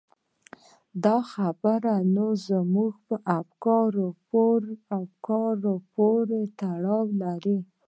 دا خبره نو زموږ په افکارو پورې تړاو لري.